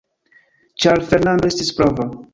Ĉar Fernando estis prava.